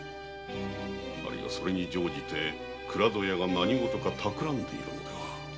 それに乗じて倉戸屋が何事かたくらんでいるのでは。